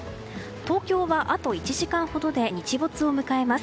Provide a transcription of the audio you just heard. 東京はあと１時間ほどで日没を迎えます。